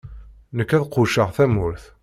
Nekk, ad qucceɣ tamurt.